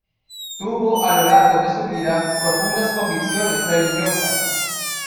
Tuvo a lo largo de su vida profundas convicciones religiosas.